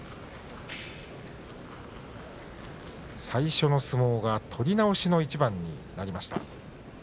最初の相撲が取り直しの一番になりました。